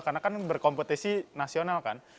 karena kan berkompetisi nasional kan